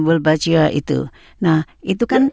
bulbachia itu nah itu kan